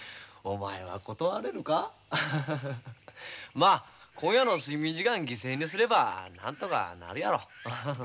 まあ今夜の睡眠時間犠牲にすればなんとかなるやろ。